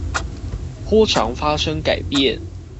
波長發生改變